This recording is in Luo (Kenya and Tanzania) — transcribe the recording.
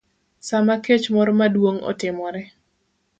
Sama kech moro maduong' otimore,